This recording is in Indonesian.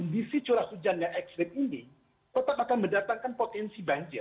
kondisi curah hujannya ekstrik ini tetap akan mendatangkan potensi banjir